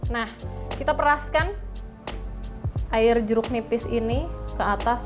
nah kita peraskan air jeruk nipis ini ke atas